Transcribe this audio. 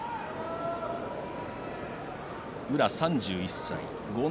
宇良、３１歳豪ノ